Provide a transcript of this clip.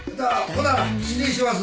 ほな失礼します！